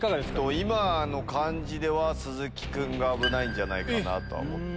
今の感じでは鈴木君が危ないんじゃないかなと。